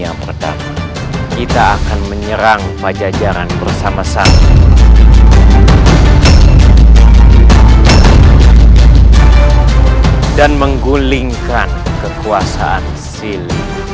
yang pertama kita akan menyerang pajajaran bersama sama dan menggulingkan kekuasaan sili